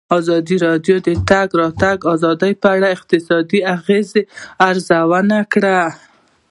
ازادي راډیو د د تګ راتګ ازادي په اړه د اقتصادي اغېزو ارزونه کړې.